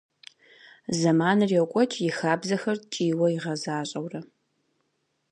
Зэманыр йокӏуэкӏ, и хабзэхэр ткӏийуэ игъэзащӏэурэ.